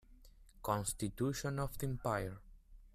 Constitution of the empire.